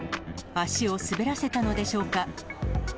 足を滑らせたのでしょうか。